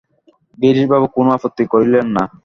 গিরিশবাবু কোন আপত্তি করিলেন না।